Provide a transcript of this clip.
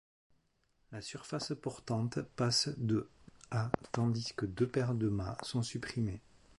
La surface portante passe de à tandis que deux paires de mâts sont supprimés.